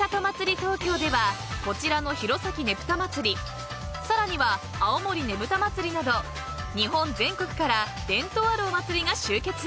東京ではこちらの弘前ねぷたまつりさらには青森ねぶた祭など日本全国から伝統あるお祭りが集結！］